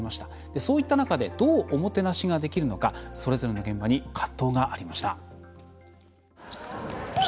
そういった中でどう、おもてなしができるのかそれぞれの現場に葛藤がありました。